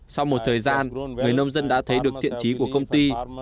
sau một thời gian người nông dân đã thấy được thiện trí của công ty